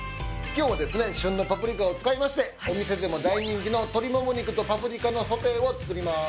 今日はですね旬のパプリカを使いましてお店でも大人気の鶏もも肉とパプリカのソテーを作ります。